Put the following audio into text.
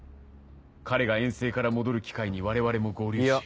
彼が遠征から戻る機会に我々も合流し。